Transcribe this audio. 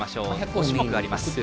５種目あります。